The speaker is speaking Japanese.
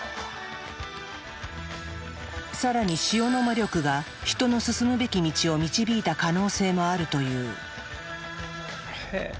さらに塩の魔力が人の進むべき道を導いた可能性もあるという。